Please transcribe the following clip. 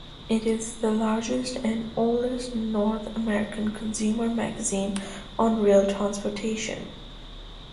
It is the largest and oldest North American consumer magazine on rail transportation.